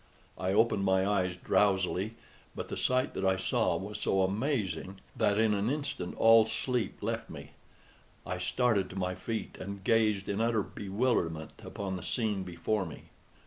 I opened my eyes drowsily, but the sight that I saw was so amazing that in an instant all sleep left me. I started to my feet, and gazed in utter bewilderment upon the scene before me.